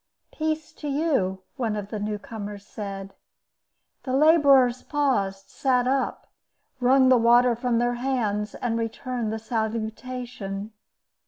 "Peace to you," one of the new comers said. The laborers paused, sat up, wrung the water from their hands, and returned the salutation.